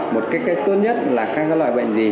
một cách tốt nhất là các loại bệnh gì